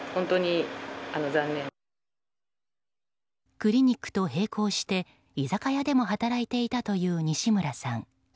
クリニックと並行して居酒屋でも働いていたという西村さん。